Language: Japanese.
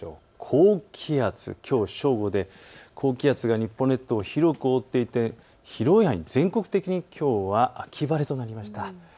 高気圧、きょう正午で高気圧が日本列島を広く覆っていて広い範囲、全国的にきょうは秋晴れとなりました。